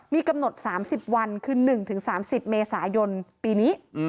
มีกำหนด๓๐วันคือ๑๓๐เมษายนปีนี้